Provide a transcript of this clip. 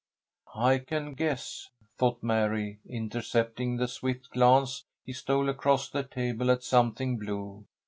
"I can guess," thought Mary, intercepting the swift glance he stole across the table at something blue.